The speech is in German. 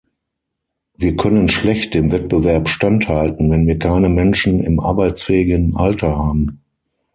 Wir können schlecht dem Wettbewerb standhalten, wenn wir keine Menschen im arbeitsfähigen Alter haben.